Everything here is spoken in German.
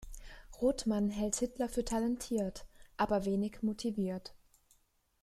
Rothman hält Hitler für talentiert, aber wenig motiviert.